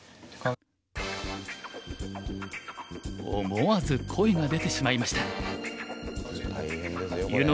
思わず声が出てしまいました。